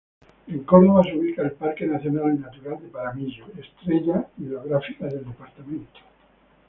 En Córdoba se ubica el Parque nacional natural Paramillo, estrella hidrográfica del departamento.